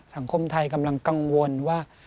สังคมไทยกำลังกังวลว่า